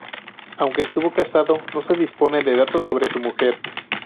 Aunque estuvo casado, no se dispone de datos sobre su mujer.